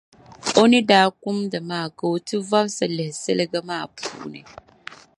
O ni daa kumdi maa ka o ti vɔbisi lihi siliga maa puuni.